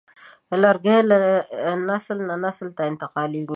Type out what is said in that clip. لرګی له نسل نه نسل ته انتقالېږي.